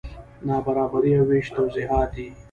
نابرابري او وېش توضیحات دي.